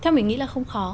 theo mình nghĩ là không khó